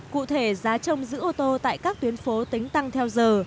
cụ thể giá trong giữ ô tô tại các tuyến phố tính tăng theo giờ